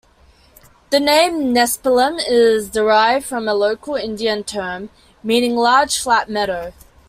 The name Nespelem is derived from a local Indian term meaning "large flat meadow".